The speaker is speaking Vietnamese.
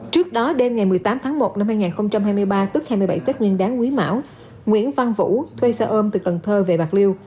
trước đó đêm ngày một mươi tám tháng một năm hai nghìn hai mươi ba tức hai mươi bảy tết nguyên đáng quý mão nguyễn văn vũ thuê xe ôm từ cần thơ về bạc liêu